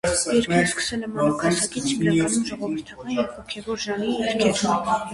Երգել սկսել է մանուկ հասակից՝ հիմնականում ժողովրդական և հոգևոր ժանրի երգեր։